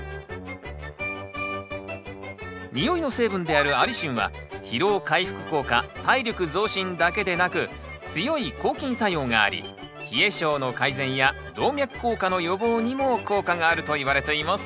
においの成分であるアリシンは疲労回復効果体力増進だけでなく強い抗菌作用があり冷え性の改善や動脈硬化の予防にも効果があるといわれています。